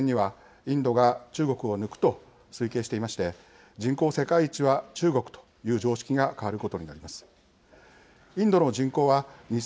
そして来年２０２３年にはインドが中国を抜くと推計していまして人口世界一は中国という常識が変わることになります。